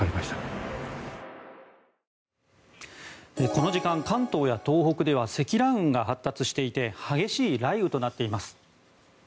この時間関東や東北では積乱雲が発達していて激しい雷雨となっています。